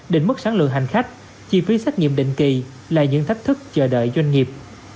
định mức sáng lượng hành khách chi phí xét nghiệm định kỳ là những thách thức chờ đợi doanh nghiệp